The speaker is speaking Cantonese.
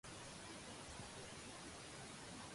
冇漢肺炎